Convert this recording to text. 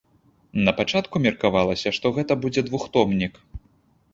Напачатку меркавалася, што гэта будзе двухтомнік.